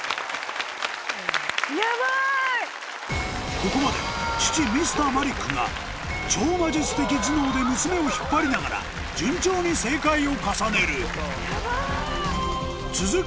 ここまで父Ｍｒ．マリックが超魔術的頭脳で娘を引っ張りながら順調に正解を重ねる続く